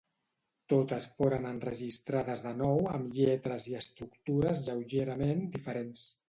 Totes foren enregistrades de nou amb lletres i estructures lleugerament diferents.